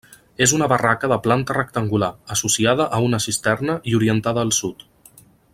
És una barraca de planta rectangular, associada a una cisterna i orientada al sud.